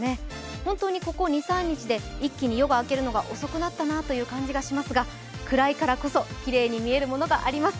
本当にここ２３日で、一気に夜が明けるのが遅くなったなという感じがしますが暗いからこそ、きれいに見えるものがあります。